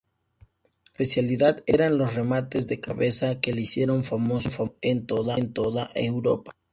Su especialidad eran los remates de cabeza, que le hicieron famoso en toda Europa.